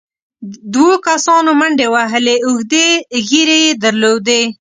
دوو کسانو منډې وهلې، اوږدې ږېرې يې درلودې،